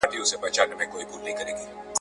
خو د خولې له خلاصېدو سره خطا سو ..